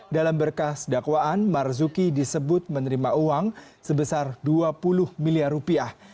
dalam berkas dakwaan marzuki disebut menerima uang sebesar dua puluh miliar rupiah